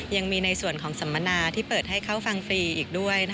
ยังมีในส่วนของสัมมนาที่เปิดให้เข้าฟังฟรีอีกด้วย